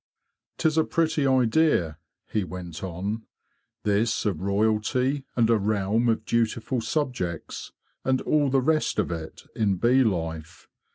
"°?Tis a pretty idea,' he went on, '' this of royalty, and a realm of dutiful subjects, and all the rest of it, in bee life.